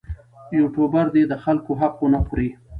یوټوبر دې د خلکو حق ونه خوري.